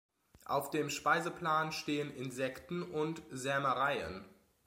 Auf dem Speiseplan stehen Insekten und Sämereien.